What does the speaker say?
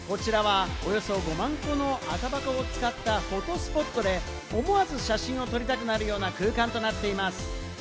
こちらはおよそ５万個の赤箱を使ったフォトスポットで、思わず写真を撮りたくなるような空間となっています。